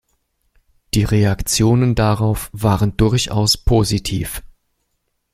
Die Reaktionen darauf waren durchaus positiv.